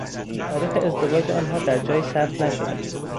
تاریخ ازدواج آنها در جایی ثبت نشده است.